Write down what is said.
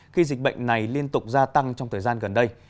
khi dịch bệnh này liên tục gia tăng trong thời gian gần đây